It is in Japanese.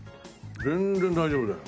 全然大丈夫だよ。